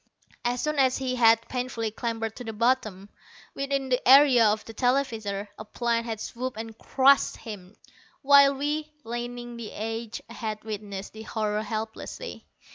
As soon as he had painfully clambered to the bottom, within the area of the televisors, a plane had swooped and crushed him, while we, lining the edge, had witnessed the horror helplessly.